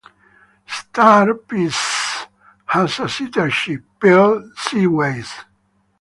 "Star Pisces" has a sister ship, "Pearl Seaways".